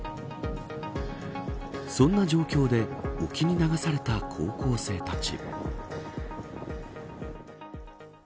そんな状況で沖に流された高校生たち。